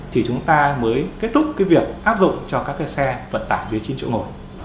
thì chúng ta mới kết thúc cái việc áp dụng cho các cái xe vận tải dưới chín chỗ ngồi